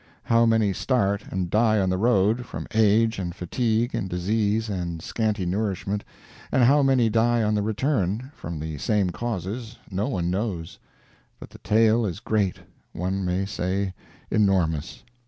How many start, and die on the road, from age and fatigue and disease and scanty nourishment, and how many die on the return, from the same causes, no one knows; but the tale is great, one may say enormous.